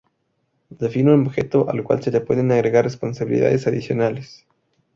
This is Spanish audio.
Deﬁne un objeto al cual se le pueden agregar responsabilidades adicionales.